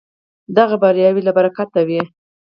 دغه بریاوې له برکته وې.